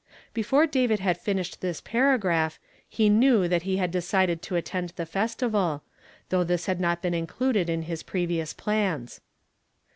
Before David had finished this paragraph, he knew that he had decided to attend the festival, thougli this had not been included in his previous plans.